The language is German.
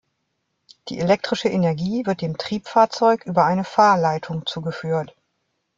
Die elektrische Energie wird dem Triebfahrzeug über eine Fahrleitung zugeführt.